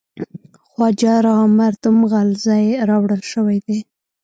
خواجه را مردم غلزی راوړل شوی دی.